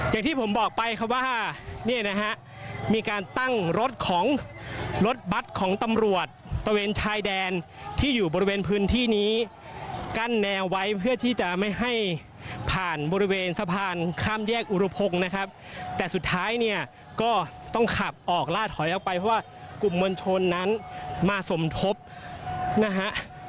อย่างที่ผมบอกไปครับว่าเนี่ยนะฮะมีการตั้งรถของรถบัตรของตำรวจตะเวนชายแดนที่อยู่บริเวณพื้นที่นี้กั้นแนวไว้เพื่อที่จะไม่ให้ผ่านบริเวณสะพานข้ามแยกอุรพงศ์นะครับแต่สุดท้ายเนี่ยก็ต้องขับออกล่าถอยออกไปเพราะว่ากลุ่มมวลชนนั้นมาสมทบนะฮะ